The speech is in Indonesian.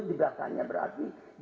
di belakangnya berarti